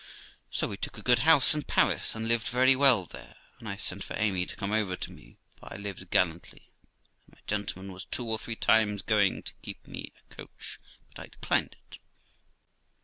So we took a good house in Paris, and lived very well there; and I sent for Amy to come over to me, for I lived gallantly, and my gentleman was two or three times going to keep me a coach, but I declined it.